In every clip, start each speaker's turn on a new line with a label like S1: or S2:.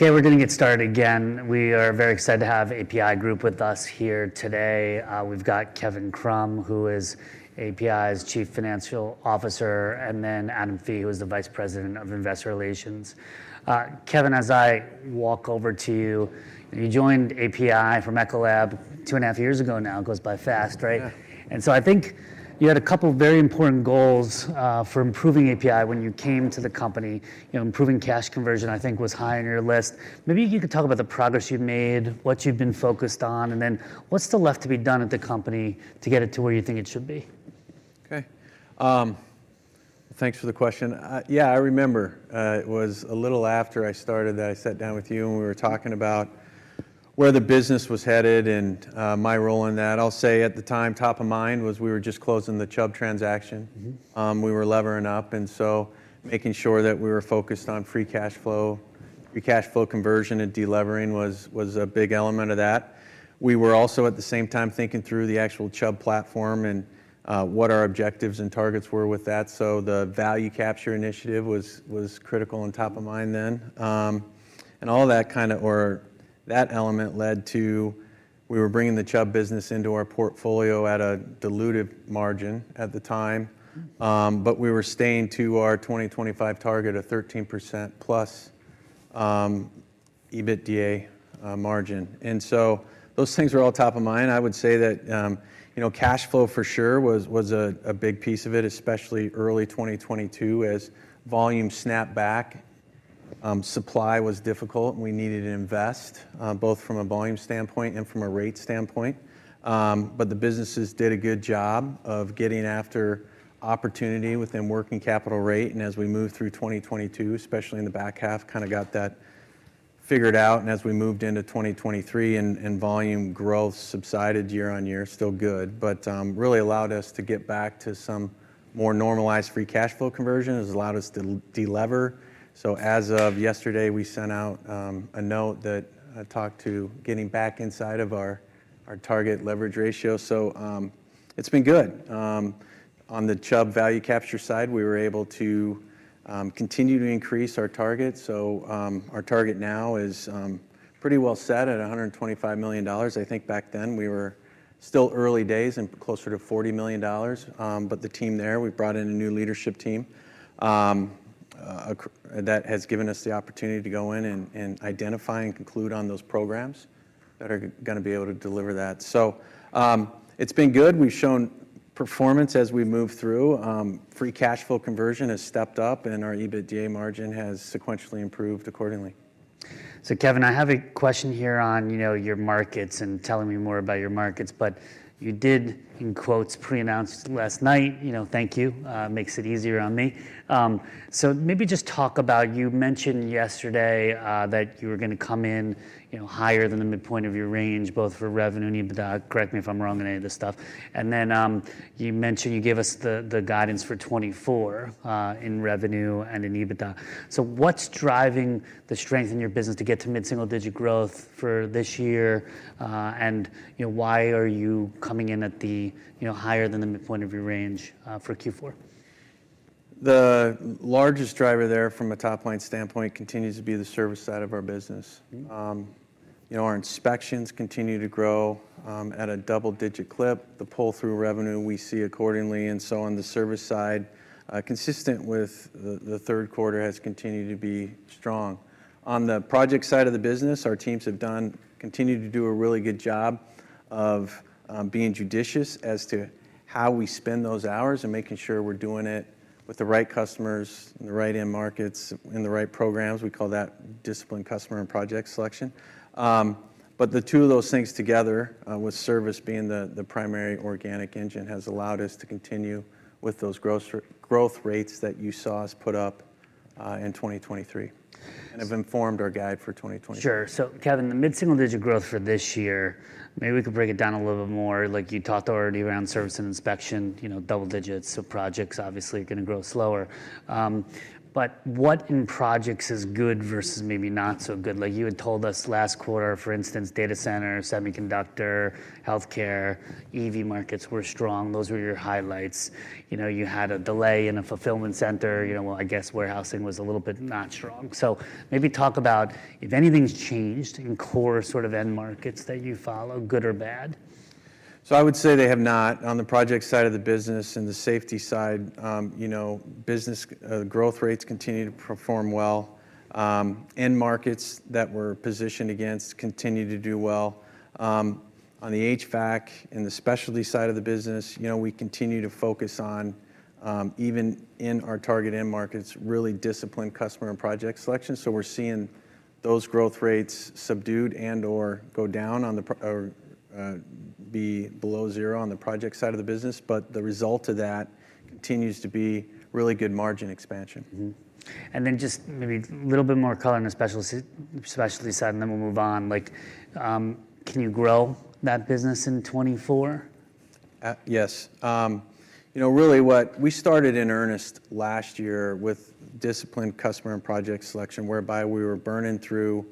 S1: Okay, we're going to get started again. We are very excited to have APi Group with us here today. We've got Kevin Krumm, who is APi's Chief Financial Officer, and then Adam Fee, who is the Vice President of Investor Relations. Kevin, as I walk over to you, you joined APi from Ecolab two and a half years ago now. It goes by fast, right?
S2: Yeah.
S1: And so I think you had a couple very important goals, for improving APi when you came to the company. You know, improving cash conversion, I think, was high on your list. Maybe you could talk about the progress you've made, what you've been focused on, and then what's still left to be done at the company to get it to where you think it should be.
S2: Okay. Thanks for the question. Yeah, I remember, it was a little after I started that I sat down with you and we were talking about where the business was headed and my role in that. I'll say at the time top of mind was we were just closing the Chubb transaction.
S1: Mm-hmm.
S2: We were levering up, and so making sure that we were focused on free cash flow. Free cash flow conversion and delevering was a big element of that. We were also at the same time thinking through the actual Chubb platform and what our objectives and targets were with that. So the value capture initiative was critical and top of mind then. And all that kind of or that element led to we were bringing the Chubb business into our portfolio at a diluted margin at the time.
S1: Mm-hmm.
S2: But we were staying to our 2025 target of 13%+ EBITDA margin. And so those things were all top of mind. I would say that, you know, cash flow for sure was a big piece of it, especially early 2022 as volume snapped back. Supply was difficult and we needed to invest, both from a volume standpoint and from a rate standpoint. The businesses did a good job of getting after opportunity within working capital rate. And as we moved through 2022, especially in the back half, kind of got that figured out. And as we moved into 2023 and volume growth subsided year-on-year, still good, but really allowed us to get back to some more normalized free cash flow conversion. It's allowed us to delever. So as of yesterday, we sent out a note that talked to getting back inside of our target leverage ratio. So, it's been good. On the Chubb value capture side, we were able to continue to increase our target. So, our target now is pretty well set at $125 million. I think back then we were still early days and closer to $40 million. But the team there, we brought in a new leadership team that has given us the opportunity to go in and identify and conclude on those programs that are gonna be able to deliver that. So, it's been good. We've shown performance as we've moved through. Free cash flow conversion has stepped up and our EBITDA margin has sequentially improved accordingly.
S1: So Kevin, I have a question here on, you know, your markets and telling me more about your markets, but you did, in quotes, pre-announce last night. You know, thank you. Makes it easier on me. So maybe just talk about you mentioned yesterday, that you were gonna come in, you know, higher than the midpoint of your range, both for revenue and EBITDA. Correct me if I'm wrong on any of this stuff. And then, you mentioned you gave us the guidance for 2024, in revenue and in EBITDA. So what's driving the strength in your business to get to mid-single digit growth for this year, and, you know, why are you coming in at the, you know, higher than the midpoint of your range, for Q4?
S2: The largest driver there from a top line standpoint continues to be the service side of our business.
S1: Mm-hmm.
S2: You know, our inspections continue to grow at a double-digit clip. The pull-through revenue we see accordingly. And so on the service side, consistent with the third quarter, has continued to be strong. On the project side of the business, our teams have continued to do a really good job of being judicious as to how we spend those hours and making sure we're doing it with the right customers in the right end markets in the right programs. We call that disciplined customer and project selection. But the two of those things together, with service being the primary organic engine, has allowed us to continue with those growth rates that you saw us put up in 2023 and have informed our guide for 2023.
S1: Sure. So Kevin, the mid-single digit growth for this year, maybe we could break it down a little bit more. Like you talked already around service and inspection, you know, double digits. So projects obviously are gonna grow slower, but what in projects is good versus maybe not so good? Like you had told us last quarter, for instance, data center, semiconductor, healthcare, EV markets were strong. Those were your highlights. You know, you had a delay in a fulfillment center. You know, well, I guess warehousing was a little bit not strong. So maybe talk about if anything's changed in core sort of end markets that you follow, good or bad.
S2: So I would say they have not. On the project side of the business and the safety side, you know, business, growth rates continue to perform well. End markets that we're positioned against continue to do well. On the HVAC and the specialty side of the business, you know, we continue to focus on, even in our target end markets, really disciplined customer and project selection. So we're seeing those growth rates subdued and/or go down on the project or, be below zero on the project side of the business. But the result of that continues to be really good margin expansion.
S1: Mm-hmm. And then just maybe a little bit more color in the specialty side, and then we'll move on. Like, can you grow that business in 2024?
S2: Yes. You know, really what we started in earnest last year with disciplined customer and project selection whereby we were burning through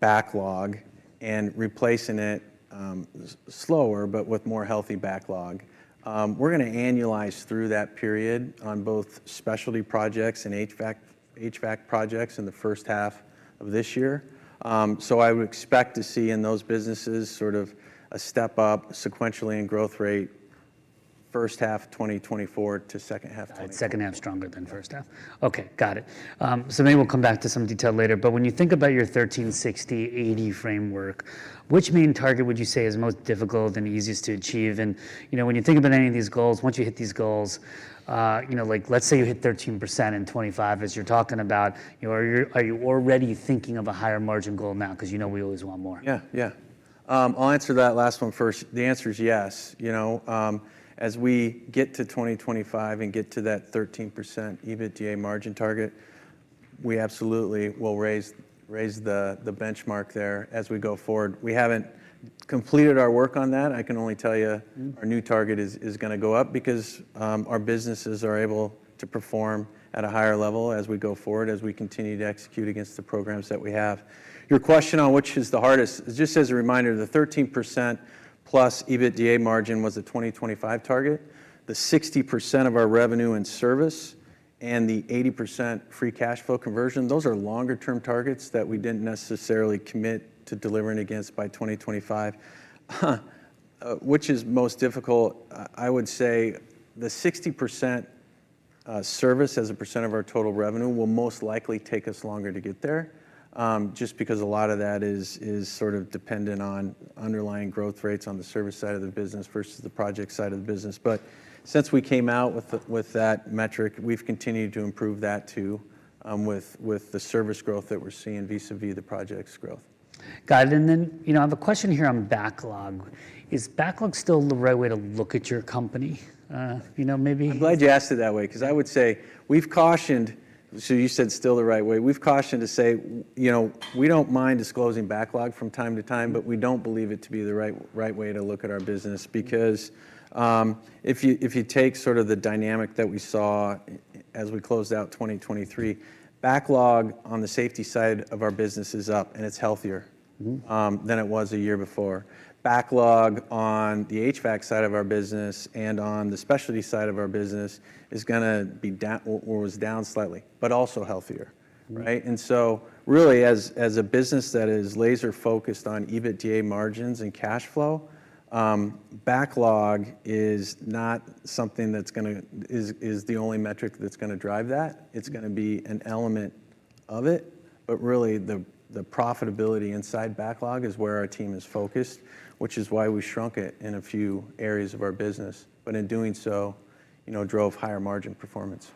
S2: backlog and replacing it slower but with more healthy backlog. We're gonna annualize through that period on both specialty projects and HVAC projects in the first half of this year. So I would expect to see in those businesses sort of a step up sequentially in growth rate first half 2024 to second half 2024.
S1: Second half stronger than first half. Okay, got it. So maybe we'll come back to some detail later. But when you think about your 13/60/80 framework, which main target would you say is most difficult and easiest to achieve? And, you know, when you think about any of these goals, once you hit these goals, you know, like let's say you hit 13% in 2025 as you're talking about, you know, are you are you already thinking of a higher margin goal now? 'Cause you know we always want more.
S2: Yeah, yeah. I'll answer that last one first. The answer's yes. You know, as we get to 2025 and get to that 13% EBITDA margin target, we absolutely will raise the benchmark there as we go forward. We haven't completed our work on that. I can only tell you our new target is gonna go up because our businesses are able to perform at a higher level as we go forward, as we continue to execute against the programs that we have. Your question on which is the hardest, just as a reminder, the 13%+ EBITDA margin was the 2025 target. The 60% of our revenue and service and the 80% free cash flow conversion, those are longer-term targets that we didn't necessarily commit to delivering against by 2025. Which is most difficult? I would say the 60%, service as a percent of our total revenue will most likely take us longer to get there, just because a lot of that is sort of dependent on underlying growth rates on the service side of the business versus the project side of the business. But since we came out with that metric, we've continued to improve that too, with the service growth that we're seeing vis-à-vis the projects' growth.
S1: Got it. And then, you know, I have a question here on backlog. Is backlog still the right way to look at your company? You know, maybe.
S2: I'm glad you asked it that way 'cause I would say we've cautioned so you said still the right way. We've cautioned to say, you know, we don't mind disclosing backlog from time to time, but we don't believe it to be the right, right way to look at our business because, if you take sort of the dynamic that we saw as we closed out 2023, backlog on the safety side of our business is up and it's healthier.
S1: Mm-hmm.
S2: than it was a year before. Backlog on the HVAC side of our business and on the specialty side of our business is gonna be down or was down slightly but also healthier, right? And so really as a business that is laser-focused on EBITDA margins and cash flow, backlog is not something that's gonna is the only metric that's gonna drive that. It's gonna be an element of it. But really the profitability inside backlog is where our team is focused, which is why we shrunk it in a few areas of our business. But in doing so, you know, drove higher margin performance.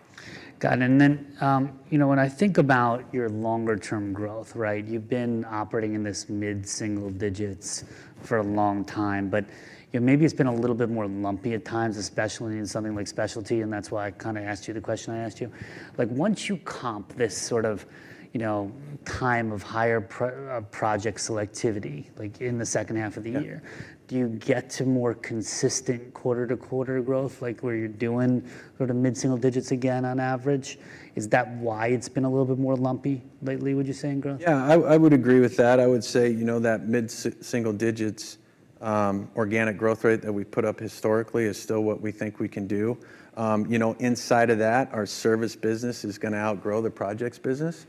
S1: Got it. And then, you know, when I think about your longer-term growth, right, you've been operating in this mid-single digits for a long time, but, you know, maybe it's been a little bit more lumpy at times, especially in something like specialty. And that's why I kind of asked you the question I asked you. Like once you comp this sort of, you know, time of higher pro project selectivity, like in the second half of the year.
S2: Yeah.
S1: Do you get to more consistent quarter-to-quarter growth? Like where you're doing sort of mid-single digits again on average? Is that why it's been a little bit more lumpy lately, would you say, in growth?
S2: Yeah, I would agree with that. I would say, you know, that mid-single digits organic growth rate that we've put up historically is still what we think we can do. You know, inside of that, our service business is gonna outgrow the projects' business.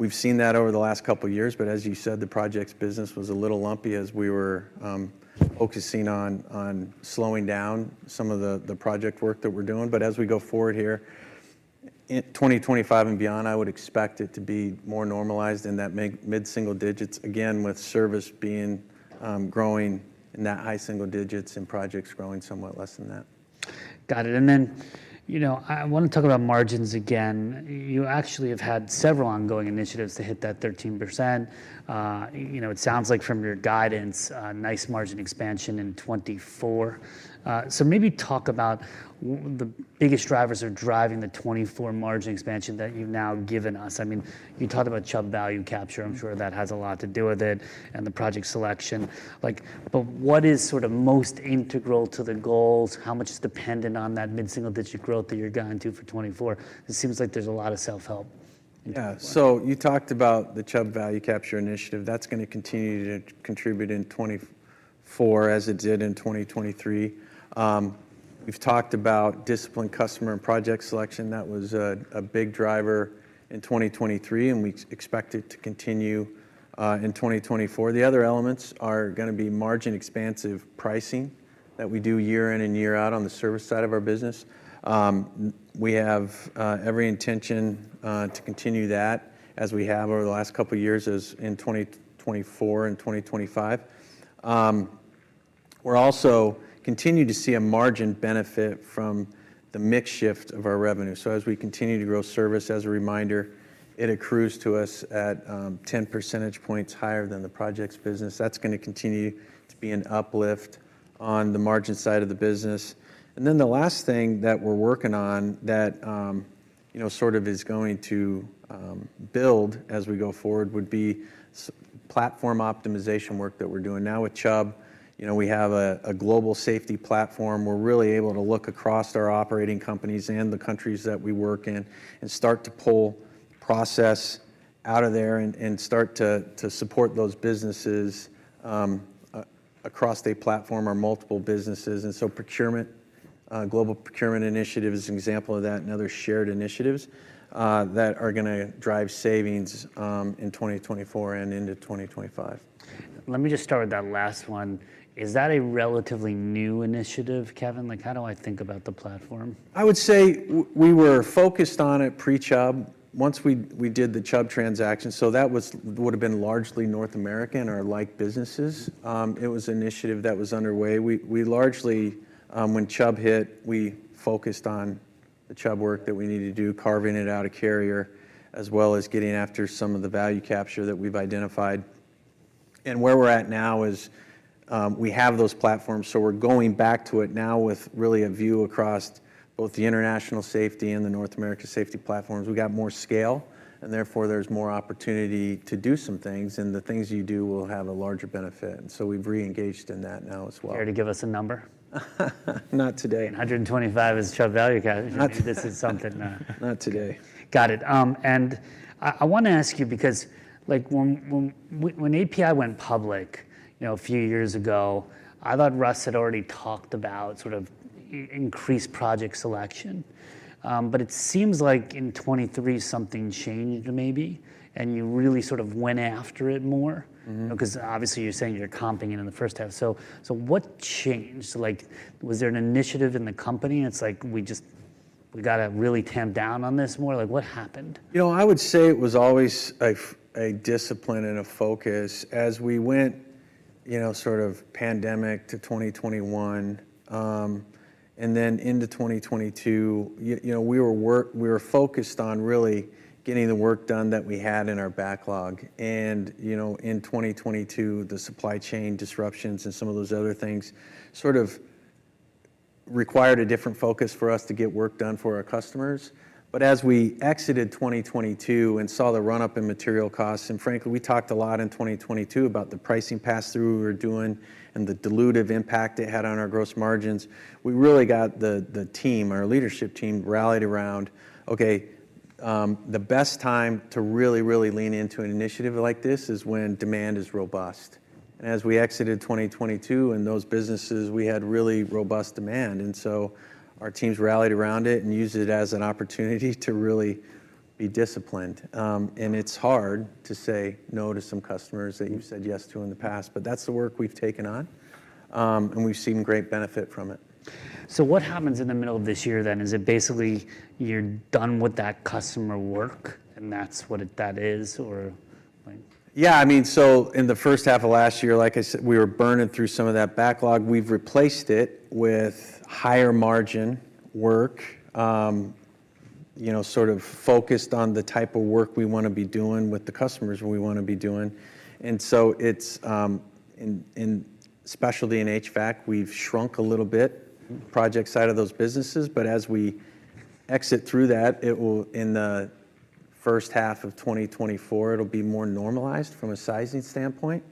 S2: We've seen that over the last couple of years. But as you said, the projects' business was a little lumpy as we were focusing on slowing down some of the project work that we're doing. But as we go forward here in 2025 and beyond, I would expect it to be more normalized in that mid-single digits, again with service being growing in that high single digits and projects growing somewhat less than that.
S1: Got it. And then, you know, I, I wanna talk about margins again. You actually have had several ongoing initiatives to hit that 13%. You know, it sounds like from your guidance, nice margin expansion in 2024. So maybe talk about what the biggest drivers that are driving the 2024 margin expansion that you've now given us. I mean, you talked about Chubb value capture. I'm sure that has a lot to do with it and the project selection. Like, but what is sort of most integral to the goals? How much is dependent on that mid-single digit growth that you're guiding to for 2024? It seems like there's a lot of self-help.
S2: Yeah. So you talked about the Chubb value capture initiative. That's gonna continue to contribute in 2024 as it did in 2023. We've talked about disciplined customer and project selection. That was a big driver in 2023 and we expect it to continue in 2024. The other elements are gonna be margin expansive pricing that we do year in and year out on the service side of our business. We have every intention to continue that as we have over the last couple of years as in 2024 and 2025. We're also continue to see a margin benefit from the mix shift of our revenue. So as we continue to grow service, as a reminder, it accrues to us at 10 percentage points higher than the projects' business. That's gonna continue to be an uplift on the margin side of the business. And then the last thing that we're working on that you know sort of is going to build as we go forward would be a platform optimization work that we're doing. Now with Chubb, you know, we have a global safety platform. We're really able to look across our operating companies and the countries that we work in and start to pull process out of there and start to support those businesses across a platform, our multiple businesses. And so procurement, global procurement initiative is an example of that and other shared initiatives that are gonna drive savings in 2024 and into 2025.
S1: Let me just start with that last one. Is that a relatively new initiative, Kevin? Like how do I think about the platform?
S2: I would say we were focused on it pre-Chubb once we did the Chubb transaction. So that would have been largely North American or like businesses. It was an initiative that was underway. We largely, when Chubb hit, we focused on the Chubb work that we needed to do, carving it out of Carrier as well as getting after some of the value capture that we've identified. And where we're at now is, we have those platforms. So we're going back to it now with really a view across both the international safety and the North American safety platforms. We got more scale and therefore there's more opportunity to do some things. And the things you do will have a larger benefit. And so we've reengaged in that now as well.
S1: Care to give us a number?
S2: Not today.
S1: 125 is Chubb value capture.
S2: Not today.
S1: This is something.
S2: Not today.
S1: Got it. I wanna ask you because like when APi went public, you know, a few years ago, I thought Russ had already talked about sort of increased project selection. But it seems like in 2023 something changed maybe and you really sort of went after it more.
S2: Mm-hmm.
S1: You know, 'cause obviously you're saying you're comping it in the first half. So, what changed? Like, was there an initiative in the company? It's like we just gotta really tamp down on this more. Like, what happened?
S2: You know, I would say it was always a discipline and a focus. As we went, you know, sort of pandemic to 2021, and then into 2022, you know, we were focused on really getting the work done that we had in our backlog. And, you know, in 2022, the supply chain disruptions and some of those other things sort of required a different focus for us to get work done for our customers. But as we exited 2022 and saw the runup in material costs and frankly, we talked a lot in 2022 about the pricing pass-through we were doing and the dilutive impact it had on our gross margins. We really got the team, our leadership team rallied around, okay, the best time to really, really lean into an initiative like this is when demand is robust. As we exited 2022 and those businesses, we had really robust demand. So our teams rallied around it and used it as an opportunity to really be disciplined. It's hard to say no to some customers that you've said yes to in the past, but that's the work we've taken on. We've seen great benefit from it.
S1: What happens in the middle of this year then? Is it basically you're done with that customer work and that's what it is or like?
S2: Yeah. I mean, so in the first half of last year, like I said, we were burning through some of that backlog. We've replaced it with higher margin work, you know, sort of focused on the type of work we wanna be doing with the customers we wanna be doing. And so it's, in specialty and HVAC, we've shrunk a little bit project side of those businesses. But as we exit through that, it will in the first half of 2024, it'll be more normalized from a sizing standpoint.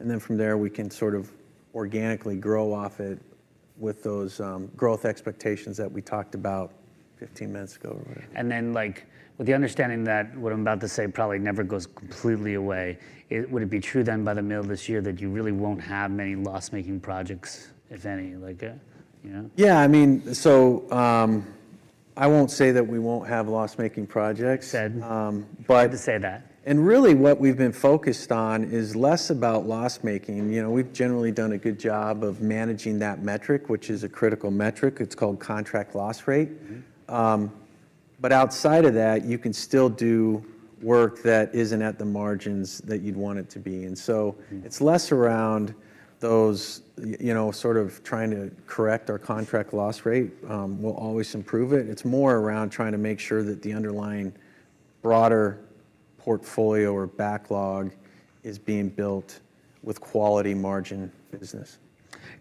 S2: And then from there, we can sort of organically grow off it with those, growth expectations that we talked about 15 minutes ago or whatever.
S1: And then, like, with the understanding that what I'm about to say probably never goes completely away, I would it be true then by the middle of this year that you really won't have many loss-making projects, if any? Like, you know.
S2: Yeah. I mean, so, I won't say that we won't have loss-making projects.
S1: Said.
S2: but.
S1: You had to say that.
S2: And really what we've been focused on is less about loss-making. You know, we've generally done a good job of managing that metric, which is a critical metric. It's called contract loss rate. But outside of that, you can still do work that isn't at the margins that you'd want it to be. And so it's less around those, you know, sort of trying to correct our contract loss rate. We'll always improve it. It's more around trying to make sure that the underlying broader portfolio or backlog is being built with quality margin business.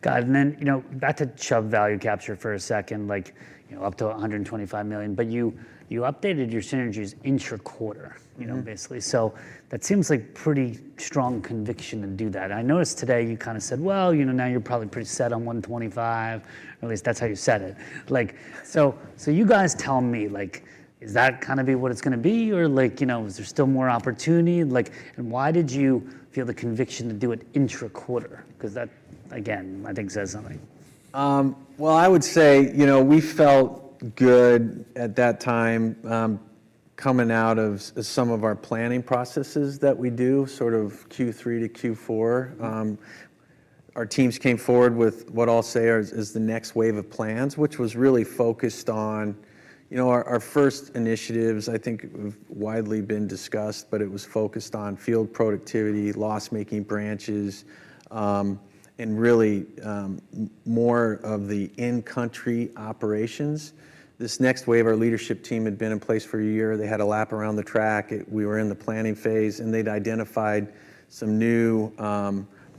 S1: Got it. And then, you know, back to Chubb value capture for a second, like, you know, up to $125 million. But you, you updated your synergies intra-quarter, you know, basically. So that seems like pretty strong conviction to do that. I noticed today you kind of said, well, you know, now you're probably pretty set on $125 million. Or at least that's how you said it. Like so, so you guys tell me, like is that kind of be what it's gonna be or like, you know, is there still more opportunity? Like and why did you feel the conviction to do it intra-quarter? 'Cause that, again, I think says something.
S2: Well, I would say, you know, we felt good at that time, coming out of some of our planning processes that we do sort of Q3 to Q4. Our teams came forward with what I'll say is the next wave of plans, which was really focused on, you know, our first initiatives I think have widely been discussed, but it was focused on field productivity, loss-making branches, and really more of the in-country operations. This next wave, our leadership team had been in place for a year. They had a lap around the track. We were in the planning phase and they'd identified some new,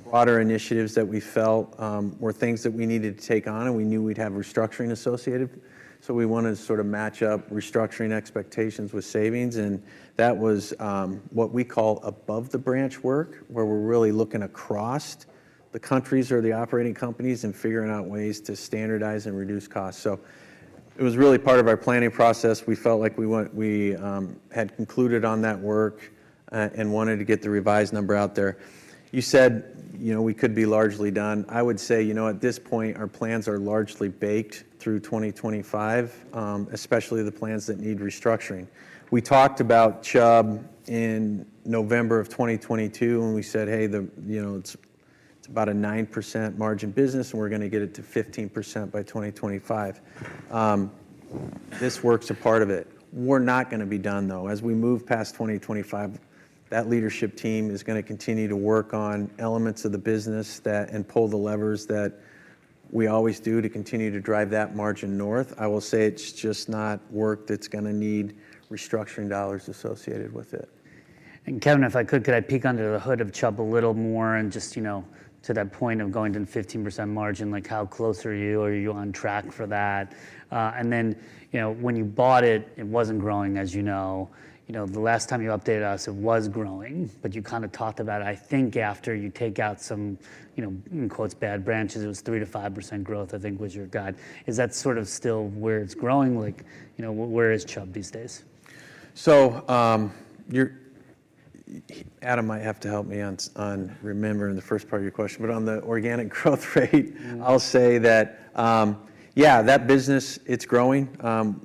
S2: broader initiatives that we felt were things that we needed to take on and we knew we'd have restructuring associated. So we wanted to sort of match up restructuring expectations with savings. That was, what we call above-the-branch work where we're really looking across the countries or the operating companies and figuring out ways to standardize and reduce costs. So it was really part of our planning process. We felt like we had concluded on that work, and wanted to get the revised number out there. You said, you know, we could be largely done. I would say, you know, at this point, our plans are largely baked through 2025, especially the plans that need restructuring. We talked about Chubb in November of 2022 and we said, hey, you know, it's about a 9% margin business and we're gonna get it to 15% by 2025. This works a part of it. We're not gonna be done though. As we move past 2025, that leadership team is gonna continue to work on elements of the business that and pull the levers that we always do to continue to drive that margin north. I will say it's just not work that's gonna need restructuring dollars associated with it.
S1: And Kevin, if I could, could I peek under the hood of Chubb a little more and just, you know, to that point of going to the 15% margin, like how close are you or are you on track for that? And then, you know, when you bought it, it wasn't growing, as you know. You know, the last time you updated us, it was growing, but you kind of talked about, I think, after you take out some, you know, in quotes, "bad branches," it was 3%-5% growth, I think, was your guide. Is that sort of still where it's growing? Like, you know, where is Chubb these days?
S2: So, you, Adam, might have to help me on remembering the first part of your question. But on the organic growth rate, I'll say that, yeah, that business, it's growing.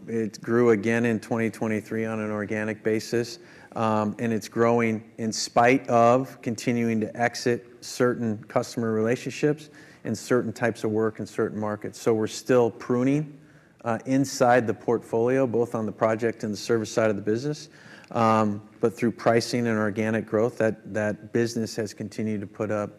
S2: It grew again in 2023 on an organic basis. It's growing in spite of continuing to exit certain customer relationships and certain types of work in certain markets. So we're still pruning inside the portfolio, both on the project and the service side of the business. But through pricing and organic growth, that business has continued to put up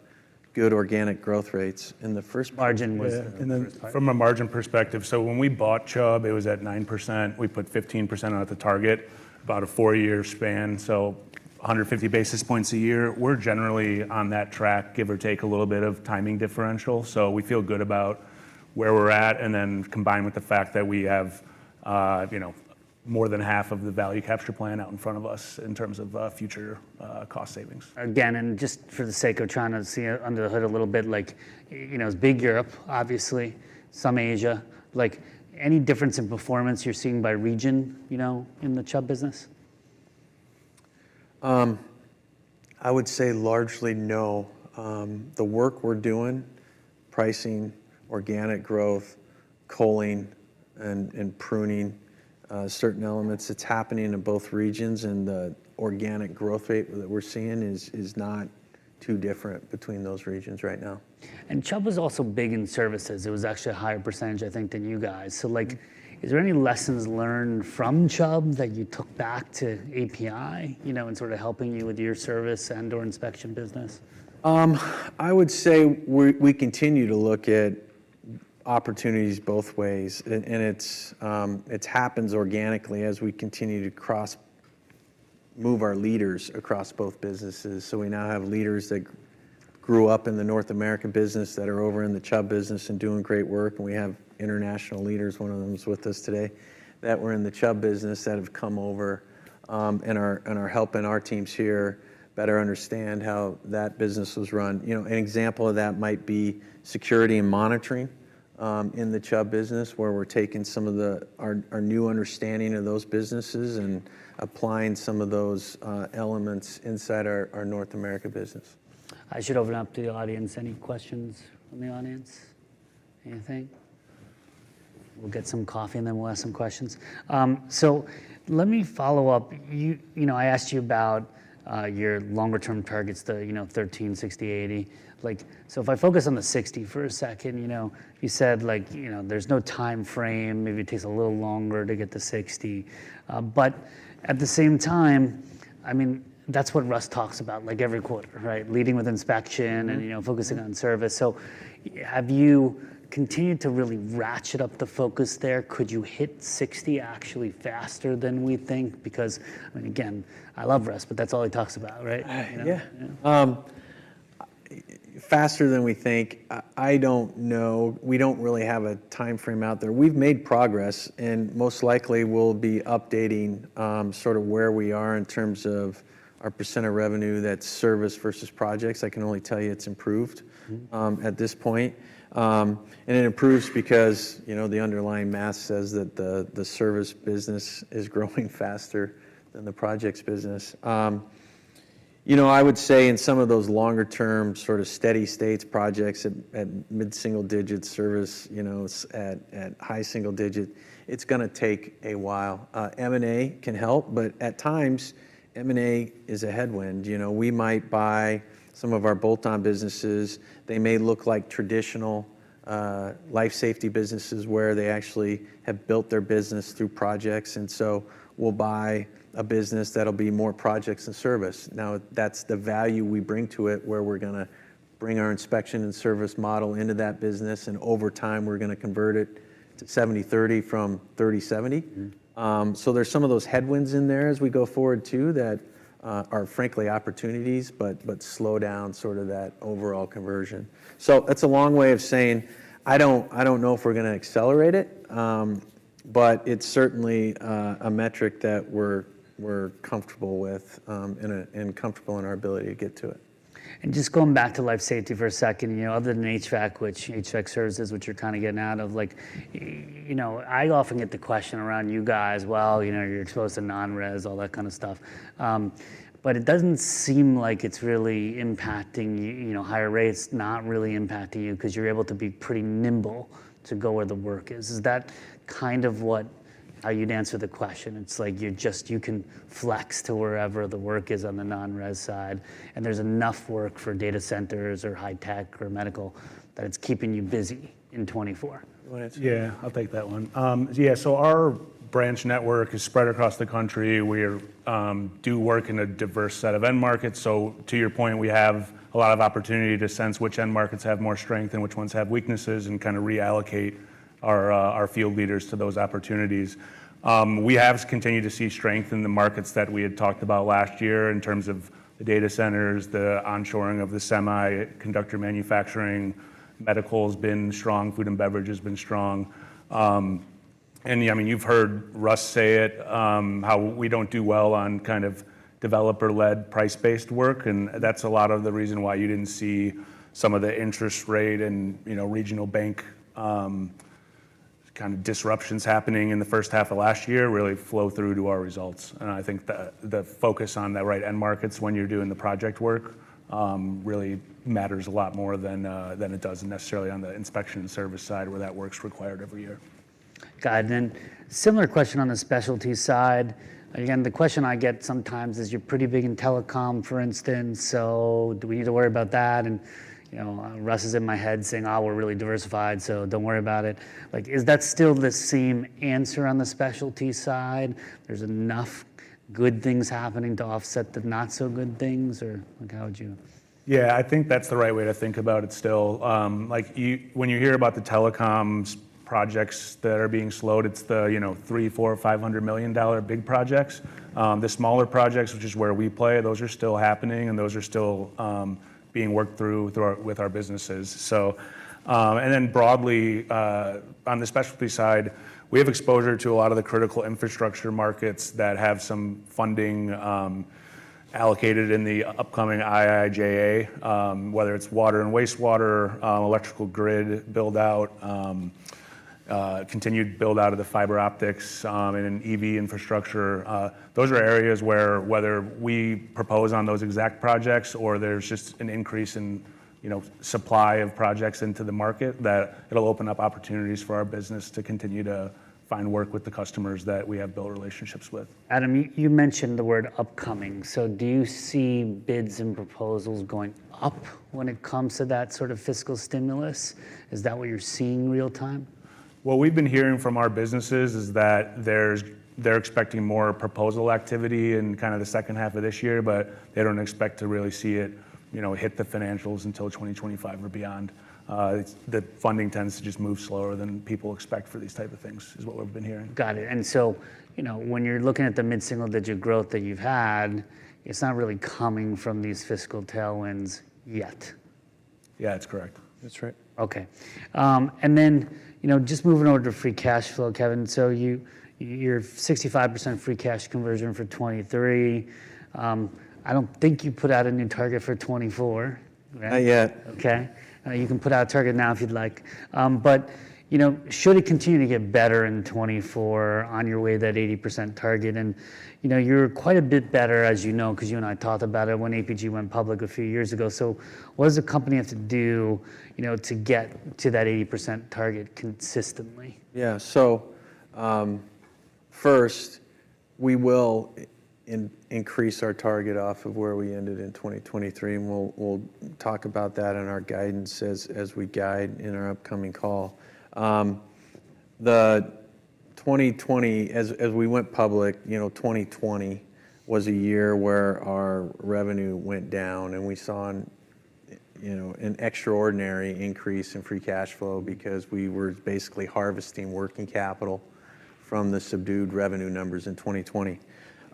S2: good organic growth rates in the first.
S3: Margin was in the, from a margin perspective. So when we bought Chubb, it was at 9%. We put 15% on at the target, about a 4-year span. So 150 basis points a year. We're generally on that track, give or take a little bit of timing differential. So we feel good about where we're at. And then combined with the fact that we have, you know, more than half of the value capture plan out in front of us in terms of, future, cost savings.
S1: Again, and just for the sake of trying to see under the hood a little bit, like, you know, it's big Europe, obviously, some Asia. Like any difference in performance you're seeing by region, you know, in the Chubb business?
S2: I would say largely no. The work we're doing, pricing, organic growth, culling, and pruning certain elements, it's happening in both regions. The organic growth rate that we're seeing is not too different between those regions right now.
S1: Chubb is also big in services. It was actually a higher percentage, I think, than you guys. So like, is there any lessons learned from Chubb that you took back to APi, you know, in sort of helping you with your service and/or inspection business?
S2: I would say we continue to look at opportunities both ways. And it happens organically as we continue to cross move our leaders across both businesses. So we now have leaders that grew up in the North American business that are over in the Chubb business and doing great work. And we have international leaders, one of them with us today, that were in the Chubb business that have come over, and are helping our teams here better understand how that business was run. You know, an example of that might be security and monitoring, in the Chubb business where we're taking some of our new understanding of those businesses and applying some of those elements inside our North America business.
S1: I should open up to the audience. Any questions from the audience? Anything? We'll get some coffee and then we'll ask some questions. So let me follow up. You, you know, I asked you about, your longer-term targets, the, you know, 13, 60, 80. Like so if I focus on the 60 for a second, you know, you said like, you know, there's no timeframe. Maybe it takes a little longer to get to 60. But at the same time, I mean, that's what Russ talks about, like every quarter, right? Leading with inspection and, you know, focusing on service. So why have you continued to really ratchet up the focus there? Could you hit 60 actually faster than we think? Because, I mean, again, I love Russ, but that's all he talks about, right? You know?
S2: Yeah, faster than we think. I don't know. We don't really have a timeframe out there. We've made progress and most likely we'll be updating, sort of where we are in terms of our percent of revenue that's service versus projects. I can only tell you it's improved, at this point. And it improves because, you know, the underlying math says that the service business is growing faster than the projects business. You know, I would say in some of those longer-term sort of steady-states projects at mid-single digit service, you know, it's at high single digit, it's gonna take a while. M&A can help, but at times, M&A is a headwind. You know, we might buy some of our bolt-on businesses. They may look like traditional, life safety businesses where they actually have built their business through projects. And so we'll buy a business that'll be more projects than service. Now that's the value we bring to it where we're gonna bring our inspection and service model into that business. And over time, we're gonna convert it to 70/30 from 30/70. So there's some of those headwinds in there as we go forward too that are frankly opportunities, but, but slow down sort of that overall conversion. So that's a long way of saying I don't I don't know if we're gonna accelerate it, but it's certainly a metric that we're, we're comfortable with, in a and comfortable in our ability to get to it. Just going back to life safety for a second, you know, other than HVAC, which HVAC services, which you're kind of getting out of, like, you know, I often get the question around you guys, well, you know, you're exposed to non-res, all that kind of stuff. But it doesn't seem like it's really impacting you, you know, higher rates, not really impacting you 'cause you're able to be pretty nimble to go where the work is. Is that kind of what how you'd answer the question? It's like you're just you can flex to wherever the work is on the non-res side and there's enough work for data centers or high tech or medical that it's keeping you busy in 2024. You wanna answer that?
S3: Yeah. I'll take that one. Yeah. So our branch network is spread across the country. We do work in a diverse set of end markets. So to your point, we have a lot of opportunity to sense which end markets have more strength and which ones have weaknesses and kind of reallocate our, our field leaders to those opportunities. We have continued to see strength in the markets that we had talked about last year in terms of the data centers, the onshoring of the semiconductor manufacturing. Medical's been strong. Food and beverage has been strong. And yeah, I mean, you've heard Russ say it, how we don't do well on kind of developer-led, price-based work. That's a lot of the reason why you didn't see some of the interest rate and, you know, regional bank, kind of disruptions happening in the first half of last year really flow through to our results. And I think the focus on the right end markets when you're doing the project work, really matters a lot more than it does necessarily on the inspection and service side where that work's required every year.
S1: Got it. And then similar question on the specialty side. Again, the question I get sometimes is you're pretty big in telecom, for instance. So do we need to worry about that? And, you know, Russ is in my head saying, we're really diversified, so don't worry about it. Like is that still the same answer on the specialty side? There's enough good things happening to offset the not-so-good things or like how would you?
S3: Yeah. I think that's the right way to think about it still. Like you when you hear about the telecoms projects that are being slowed, it's the, you know, three, four, or $500 million big projects. The smaller projects, which is where we play, those are still happening and those are still being worked through our businesses. So, and then broadly, on the specialty side, we have exposure to a lot of the critical infrastructure markets that have some funding allocated in the upcoming IIJA, whether it's water and wastewater, electrical grid buildout, continued buildout of the fiber optics, and in EV infrastructure. Those are areas where whether we propose on those exact projects or there's just an increase in, you know, supply of projects into the market that it'll open up opportunities for our business to continue to find work with the customers that we have built relationships with.
S1: Adam, you mentioned the word upcoming. So do you see bids and proposals going up when it comes to that sort of fiscal stimulus? Is that what you're seeing real-time?
S3: What we've been hearing from our businesses is that they're expecting more proposal activity in kind of the second half of this year, but they don't expect to really see it, you know, hit the financials until 2025 or beyond. It's the funding tends to just move slower than people expect for these type of things, is what we've been hearing.
S1: Got it. And so, you know, when you're looking at the mid-single-digit growth that you've had, it's not really coming from these fiscal tailwinds yet.
S3: Yeah. It's correct.
S2: That's right.
S1: Okay. Then, you know, just moving over to free cash flow, Kevin. So you're 65% free cash conversion for 2023. I don't think you put out a new target for 2024, right?
S2: Not yet.
S1: Okay. You can put out a target now if you'd like. You know, should it continue to get better in 2024 on your way to that 80% target? You know, you're quite a bit better, as you know, 'cause you and I talked about it when APG went public a few years ago. What does a company have to do, you know, to get to that 80% target consistently?
S2: Yeah. So, first, we will increase our target off of where we ended in 2023. And we'll talk about that in our guidance as we guide in our upcoming call. In 2020, as we went public, you know, 2020 was a year where our revenue went down. And we saw an, you know, an extraordinary increase in free cash flow because we were basically harvesting working capital from the subdued revenue numbers in 2020.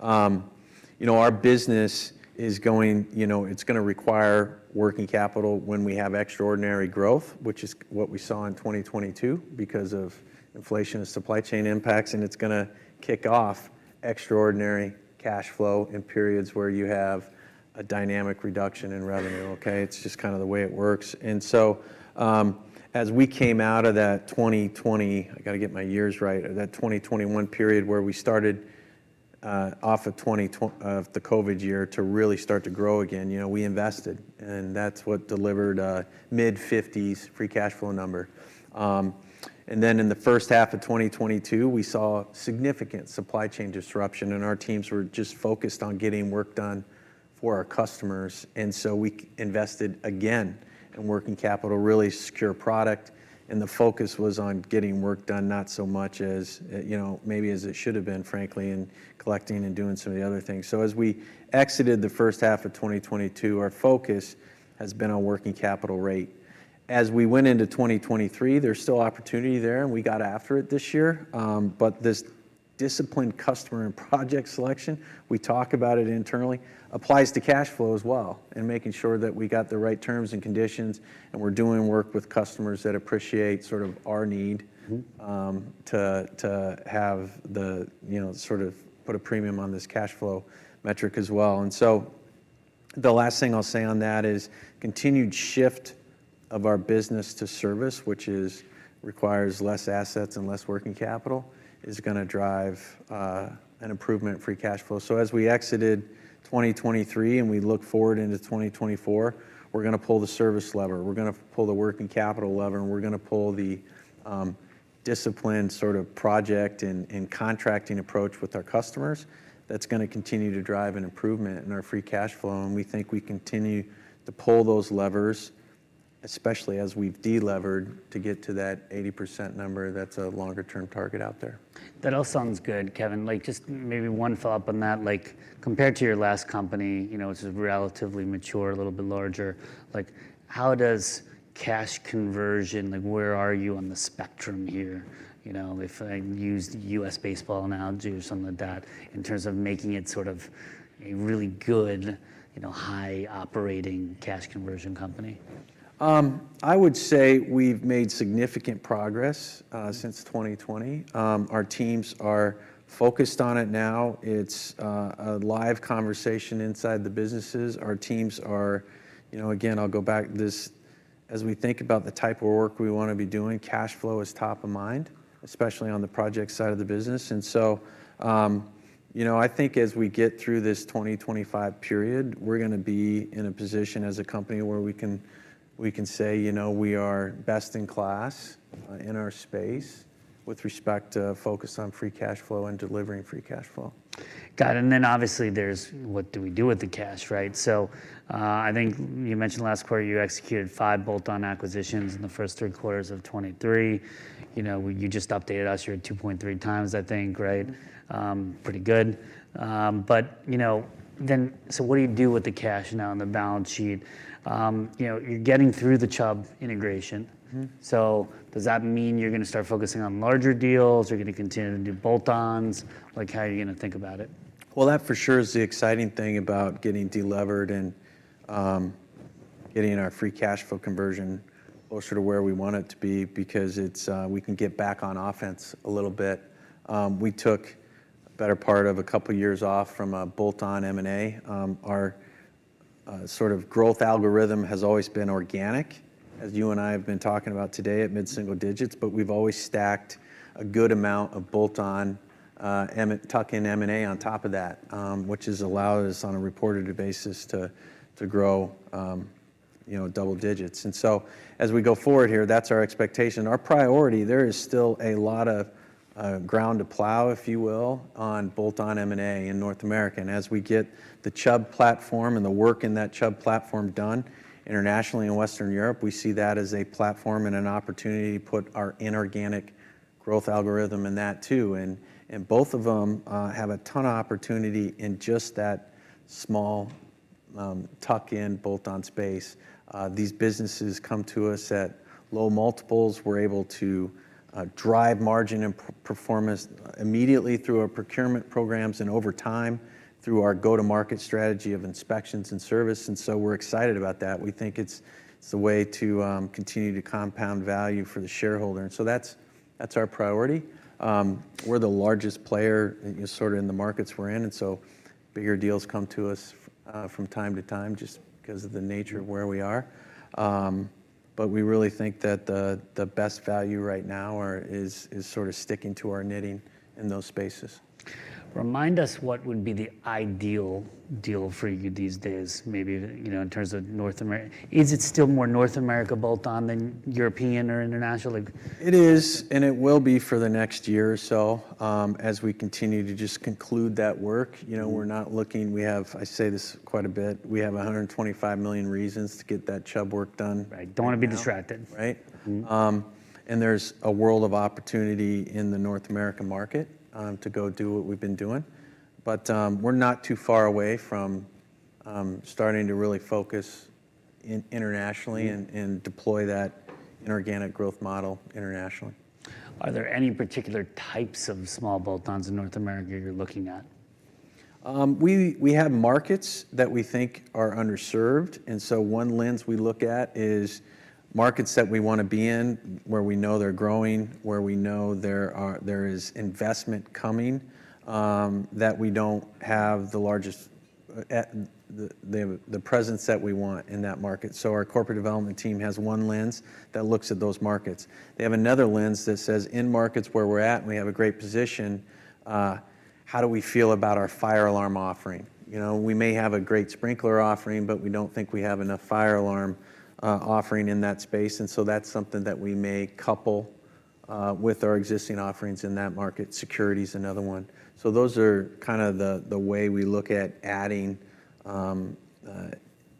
S2: You know, our business is going, you know, it's gonna require working capital when we have extraordinary growth, which is what we saw in 2022 because of inflationary supply chain impacts. And it's gonna kick off extraordinary cash flow in periods where you have a dynamic reduction in revenue, okay? It's just kind of the way it works. So, as we came out of that 2020, I gotta get my years right, or that 2021 period where we started off of 2020, the COVID year, to really start to grow again, you know, we invested. And that's what delivered mid-$50s free cash flow number. And then in the first half of 2022, we saw significant supply chain disruption. And our teams were just focused on getting work done for our customers. And so we invested again in working capital, really secure product. And the focus was on getting work done, not so much as, you know, maybe as it should have been, frankly, in collecting and doing some of the other things. So as we exited the first half of 2022, our focus has been on working capital rate. As we went into 2023, there's still opportunity there. And we got after it this year. But this disciplined customer and project selection, we talk about it internally, applies to cash flow as well and making sure that we got the right terms and conditions and we're doing work with customers that appreciate sort of our need to have the, you know, sort of put a premium on this cash flow metric as well. And so the last thing I'll say on that is continued shift of our business to service, which requires less assets and less working capital, is gonna drive an improvement in free cash flow. So as we exited 2023 and we look forward into 2024, we're gonna pull the service lever. We're gonna pull the working capital lever. And we're gonna pull the disciplined sort of project and contracting approach with our customers. That's gonna continue to drive an improvement in our free cash flow. We think we continue to pull those levers, especially as we've delevered to get to that 80% number. That's a longer-term target out there.
S1: That all sounds good, Kevin. Like just maybe one follow-up on that. Like compared to your last company, you know, which is relatively mature, a little bit larger, like how does cash conversion like where are you on the spectrum here? You know, if I use the U.S. baseball analogy or something like that in terms of making it sort of a really good, you know, high-operating cash conversion company?
S2: I would say we've made significant progress since 2020. Our teams are focused on it now. It's a live conversation inside the businesses. Our teams are, you know, again, I'll go back to this as we think about the type of work we wanna be doing. Cash flow is top of mind, especially on the project side of the business. And so, you know, I think as we get through this 2025 period, we're gonna be in a position as a company where we can say, you know, we are best in class in our space with respect to focus on free cash flow and delivering free cash flow.
S1: Got it. And then obviously there's what do we do with the cash, right? So, I think you mentioned last quarter you executed five bolt-on acquisitions in the first three quarters of 2023. You know, you just updated us. You're at 2.3x, I think, right? Pretty good. But, you know, then so what do you do with the cash now in the balance sheet? You know, you're getting through the Chubb integration. So does that mean you're gonna start focusing on larger deals? You're gonna continue to do bolt-ons? Like how are you gonna think about it?
S2: Well, that for sure is the exciting thing about getting delevered and getting our free cash flow conversion closer to where we want it to be because it's we can get back on offense a little bit. We took a better part of a couple years off from a Bolt-on M&A. Our sort of growth algorithm has always been organic, as you and I have been talking about today at mid-single digits. But we've always stacked a good amount of Bolt-on, i.e. tuck-in M&A on top of that, which has allowed us on a reported basis to grow, you know, double digits. And so as we go forward here, that's our expectation. Our priority, there is still a lot of ground to plow, if you will, on Bolt-on M&A in North America. And as we get the Chubb platform and the work in that Chubb platform done internationally in Western Europe, we see that as a platform and an opportunity to put our inorganic growth algorithm in that too. And, and both of them, have a ton of opportunity in just that small, tuck-in bolt-on space. These businesses come to us at low multiples. We're able to, drive margin and performance immediately through our procurement programs and over time through our go-to-market strategy of inspections and service. And so we're excited about that. We think it's, it's the way to, continue to compound value for the shareholder. And so that's, that's our priority. We're the largest player, you know, sort of in the markets we're in. And so bigger deals come to us, from time to time just 'cause of the nature of where we are. but we really think that the best value right now is sort of sticking to our knitting in those spaces.
S1: Remind us what would be the ideal deal for you these days, maybe, you know, in terms of North America. Is it still more North America bolt-on than European or international? Like.
S2: It is. And it will be for the next year or so, as we continue to just conclude that work. You know, we're not looking we have, I say this quite a bit, we have $125 million reasons to get that Chubb work done.
S1: Right. Don't wanna be distracted.
S2: Right? And there's a world of opportunity in the North American market to go do what we've been doing. But we're not too far away from starting to really focus internationally and deploy that inorganic growth model internationally.
S1: Are there any particular types of small bolt-ons in North America you're looking at?
S2: We have markets that we think are underserved. And so one lens we look at is markets that we wanna be in where we know they're growing, where we know there is investment coming, that we don't have the largest presence that we want in that market. So our corporate development team has one lens that looks at those markets. They have another lens that says, in markets where we're at and we have a great position, how do we feel about our fire alarm offering? You know, we may have a great sprinkler offering, but we don't think we have enough fire alarm offering in that space. And so that's something that we may couple with our existing offerings in that market. Security's another one. So those are kind of the way we look at adding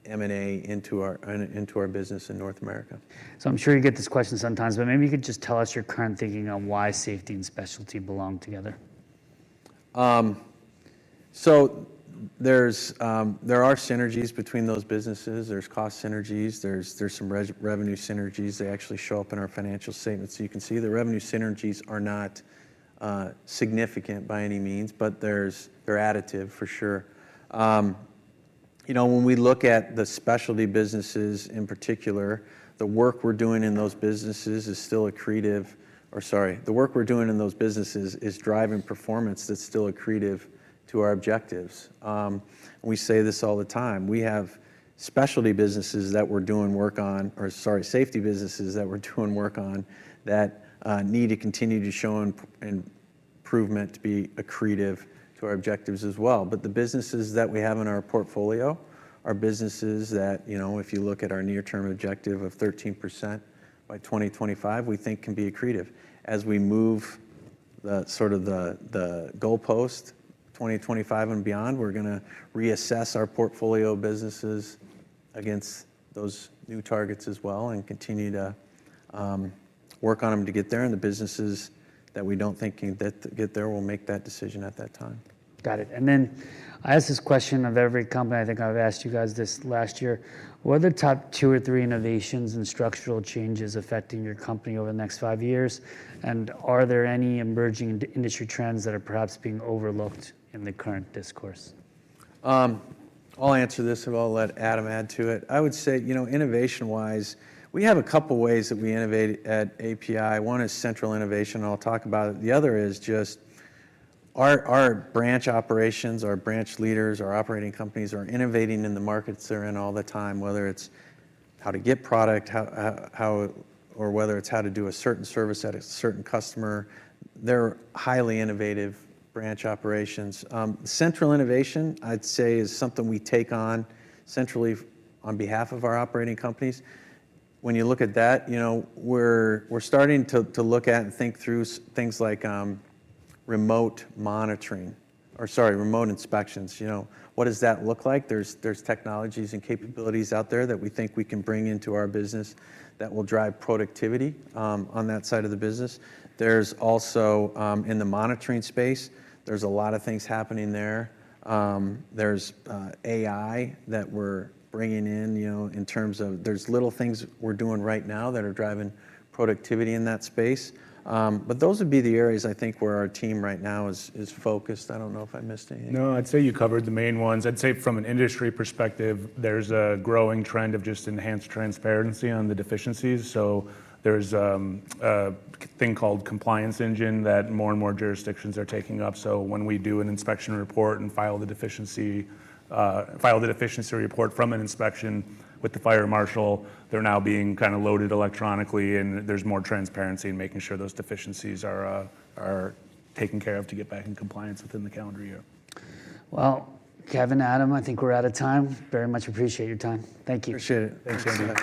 S2: M&A into our business in North America.
S1: I'm sure you get this question sometimes, but maybe you could just tell us your current thinking on why safety and specialty belong together?
S2: So there are synergies between those businesses. There's cost synergies. There's some revenue synergies. They actually show up in our financial statements. So you can see the revenue synergies are not significant by any means, but they're additive for sure. You know, when we look at the specialty businesses in particular, the work we're doing in those businesses is still accretive or sorry. The work we're doing in those businesses is driving performance that's still accretive to our objectives. We say this all the time. We have specialty businesses that we're doing work on or sorry, safety businesses that we're doing work on that need to continue to show improvement to be accretive to our objectives as well. But the businesses that we have in our portfolio are businesses that, you know, if you look at our near-term objective of 13% by 2025, we think can be accretive. As we move the goalpost 2025 and beyond, we're gonna reassess our portfolio businesses against those new targets as well and continue to work on them to get there. And the businesses that we don't think can get there will make that decision at that time.
S1: Got it. Then I ask this question of every company. I think I've asked you guys this last year. What are the top two or three innovations and structural changes affecting your company over the next five years? And are there any emerging industry trends that are perhaps being overlooked in the current discourse?
S2: I'll answer this. I'll let Adam add to it. I would say, you know, innovation-wise, we have a couple ways that we innovate at APi. One is central innovation. I'll talk about it. The other is just our branch operations, our branch leaders, our operating companies are innovating in the markets they're in all the time, whether it's how to get product, how or whether it's how to do a certain service at a certain customer. They're highly innovative branch operations. Central innovation, I'd say, is something we take on centrally on behalf of our operating companies. When you look at that, you know, we're starting to look at and think through things like remote monitoring or sorry, remote inspections. You know, what does that look like? There's technologies and capabilities out there that we think we can bring into our business that will drive productivity, on that side of the business. There's also, in the monitoring space, a lot of things happening there. There's AI that we're bringing in, you know, in terms of little things we're doing right now that are driving productivity in that space. But those would be the areas, I think, where our team right now is focused. I don't know if I missed anything.
S3: No, I'd say you covered the main ones. I'd say from an industry perspective, there's a growing trend of just enhanced transparency on the deficiencies. So there's a thing called Compliance Engine that more and more jurisdictions are taking up. So when we do an inspection report and file the deficiency, file the deficiency report from an inspection with the fire marshal, they're now being kind of loaded electronically. And there's more transparency in making sure those deficiencies are taken care of to get back in compliance within the calendar year.
S1: Well, Kevin, Adam, I think we're out of time. Very much appreciate your time. Thank you.
S2: Appreciate it. Thanks, Jamie.